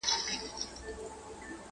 څوك به اوښكي تويوي پر مينانو،